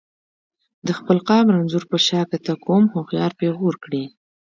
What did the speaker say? د خپل قام رنځور په شاکه ته ته کوم هوښیار پیغور کړي.